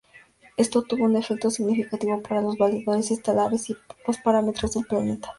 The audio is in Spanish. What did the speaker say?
Esto tuvo un efecto significativo para los valores estelares y los parámetros del planeta.